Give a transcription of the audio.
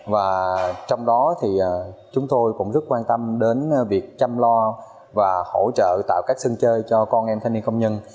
và trong đó thì chúng tôi cũng rất quan tâm đến việc chăm lo và hỗ trợ tạo các sân chơi cho con em thanh niên công nhân